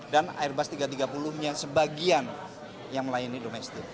dan airbus a tiga ratus tiga puluh nya sebagian yang melayani domestik